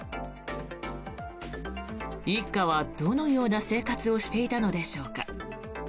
一家はどのような生活をしていたのでしょうか。